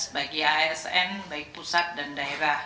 bagi asn baik pusat dan daerah